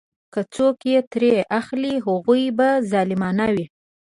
که څوک یې ترې اخلي هغوی به ظالمان وي.